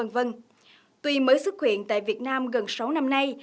bởi sức khuyện tại việt nam gần sáu năm nay